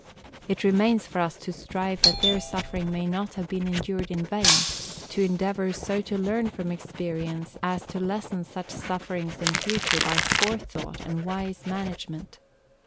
It remains for us to strive that their sufferings may not have been endured in vain to endeavour so to learn from experience as to lessen such sufferings in future by forethought and wise management.